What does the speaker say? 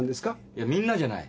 いやみんなじゃない。